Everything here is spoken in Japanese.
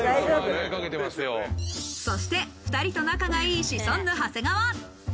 そして２人と仲がいい、シソンヌ・長谷川。